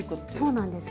そうなんです。